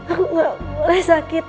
aku gak boleh sakit